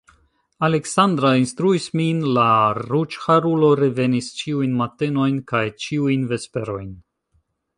Aleksandra instruis min, la ruĝharulo revenis ĉiujn matenojn kaj ĉiujn vesperojn.